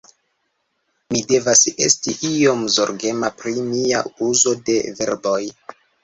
Mi devas esti iom zorgema pri mia uzo de verboj